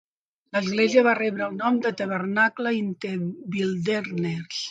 L'església va rebre el nom de "Tabernacle In The Wilderness".